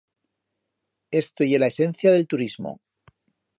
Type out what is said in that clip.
Esto ye la esencia d'el turismo.